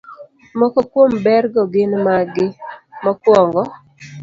Moko kuom bergo gin magi: Mokwongo,